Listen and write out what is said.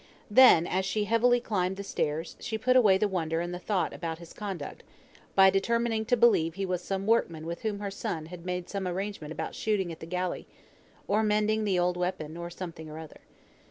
Then, as she heavily climbed the stairs, she put away the wonder and the thought about his conduct, by determining to believe he was some workman with whom her son had made some arrangement about shooting at the gallery; or mending the old weapon; or something or other.